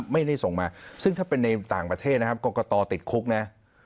ไม่ได้ส่งมาซึ่งถ้าเป็นในต่างประเทศนะครับกรกตติดคุกนะ